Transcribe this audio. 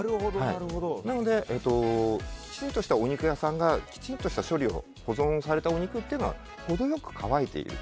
なのできちんとしたお肉屋さんがきちんとした処理をして保存されたお肉っていうのは程良く乾いている。